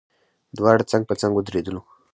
دواړه څنګ په څنګ ودرېدلو.